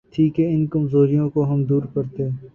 تھی کہ ان کمزوریوں کو ہم دور کرتے۔